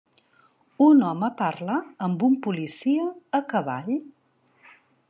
Un home parla amb un policia a cavall.